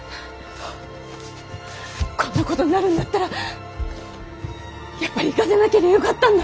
こんなことになるんだったらやっぱり行がせなけりゃよかったんだ。